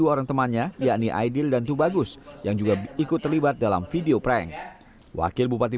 dua orang temannya yakni aidil dan tubagus yang juga ikut terlibat dalam video prank wakil bupati